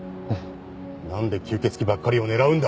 なんで吸血鬼ばっかりを狙うんだ！？